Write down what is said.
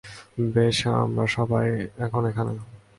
বেশ, আমরা সবাই এখন এখানে।